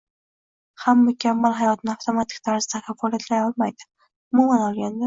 ham mukammal hayotni avtomatik tarzda kafolatlay olmaydi. Umuman olganda